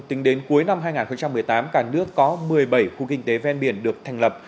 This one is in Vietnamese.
tính đến cuối năm hai nghìn một mươi tám cả nước có một mươi bảy khu kinh tế ven biển được thành lập